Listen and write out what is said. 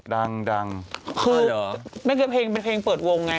ดังคือนั่นก็เป็นเพลงเปิดวงไง